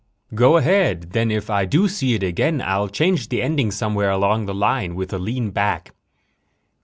"Go ahead. Then if I do see it again I'll change the ending somewhere along the line with a lean back."